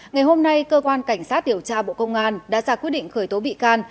ngày hôm nay cơ quan cảnh sát điều tra bộ công an đã ra quyết định khởi tố bị can